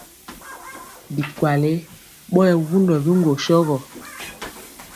Bikwale ɓɔ yɛ wundɔ biŋgwo sɔrɔ.